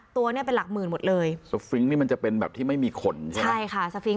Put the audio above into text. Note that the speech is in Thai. ตัวเนี้ยเป็นหลักหมื่นหมดเลยสฟิงค์นี่มันจะเป็นแบบที่ไม่มีขนใช่ไหมใช่ค่ะสฟิงค